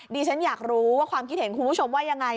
ดิฉันอยากรู้ว่าความคิดเห็นคุณผู้ชมว่ายังไง